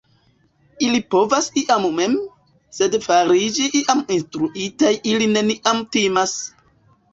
ili povas iam mem, sed fariĝi iam instruitaj ili neniam timas!